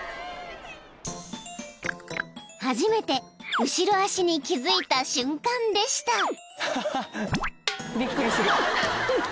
［初めて後ろ足に気付いた瞬間でした］